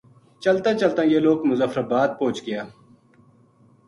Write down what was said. چلتاں چلتاں یہ لوک مظفرآبا د پوہچ گیا